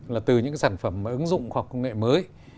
là từ những cái sản phẩm ứng dụng khoa học công nghệ mới